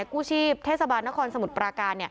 กู้ชีพเทศบาลนครสมุทรปราการ